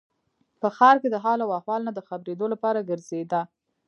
په ښار کې د حال و احوال نه د خبرېدو لپاره ګرځېده.